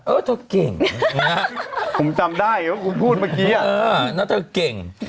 เออเธอเก่งนะผมจำได้เพราะผมพูดเมื่อกี้เออน่าเธอเก่ง